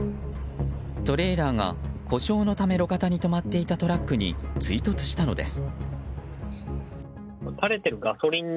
トレーラーが、故障のため路肩に止まっていたトラックに追突したのです。